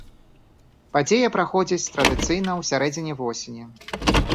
Падзея праходзіць традыцыйна ў сярэдзіне восені.